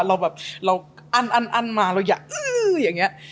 เราแบบเราอั้นมาเราอยากอื้ออย่างนี้